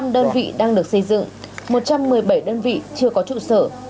một mươi đơn vị đang được xây dựng một trăm một mươi bảy đơn vị chưa có trụ sở